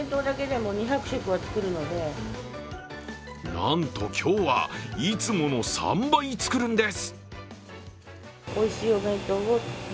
なんと、今日はいつもの３倍作るんです。